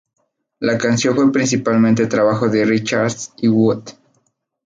La canción fue principalmente trabajo de Richards y Wood.